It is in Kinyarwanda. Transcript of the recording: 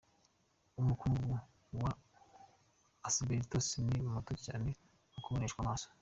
Umukungugu wa Asibesitosi ni muto cyane ntuboneshwa amaso.